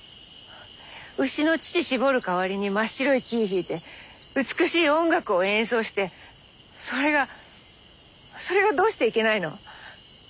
牛の乳搾る代わりに真っ白いキー弾いて美しい音楽を演奏してそれがそれがどうしていけないの？